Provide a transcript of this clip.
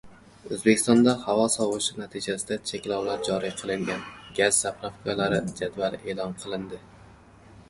O‘zbekistonda havo sovishi natijasida cheklovlar joriy qilingan gaz zapravkalari jadvali e’lon qilindi